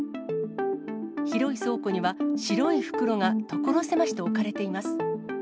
広い倉庫には、白い袋が所狭しと置かれています。